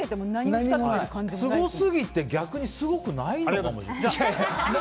すごすぎて逆にすごくないのかもしれない。